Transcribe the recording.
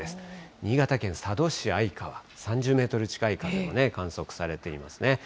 新潟県佐渡市相川、３０メートル近い風が観測されていますね。